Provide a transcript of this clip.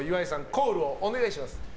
コールをお願いします。